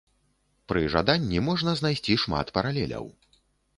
Пры жаданні можна знайсці шмат паралеляў.